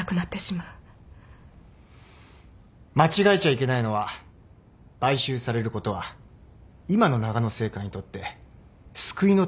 間違えちゃいけないのは買収されることは今のながの製菓にとって救いの手だってことだよ。